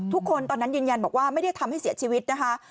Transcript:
ทุกคนตอนนั้นยืนยันบอกว่าไม่ได้ทำให้เสียชีวิตนะคะ